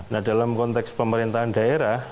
nah dalam konteks pemerintahan daerah